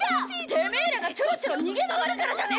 てめえらがちょろちょろ逃げ回るからじゃねえか！